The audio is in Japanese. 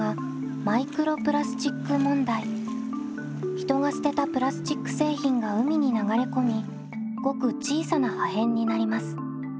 人が捨てたプラスチック製品が海に流れ込みごく小さな破片になります。